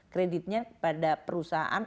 kreditnya pada perusahaan